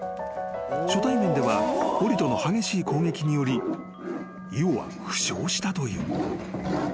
［初対面ではオリトの激しい攻撃によりイオは負傷したという］